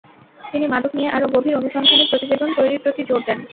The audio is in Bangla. তিনি মাদক নিয়ে আরও গভীর অনুসন্ধানী প্রতিবেদন তৈরির প্রতি জোর দেন।